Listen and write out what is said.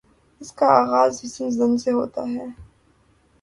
اس کا آغاز حسن ظن سے ہو گا۔